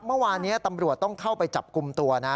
เมื่อวานนี้ตำรวจต้องเข้าไปจับกลุ่มตัวนะ